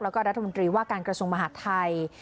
แล้วก็รัฐมนตรีว่าการกระทรวงมหาดไทย